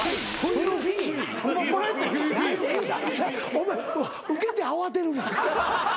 お前ウケて慌てるな。